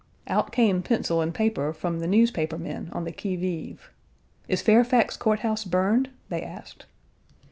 Out came pencil and paper from the newspaper men on the qui vive. "Is Fairfax Court House burned?" they asked.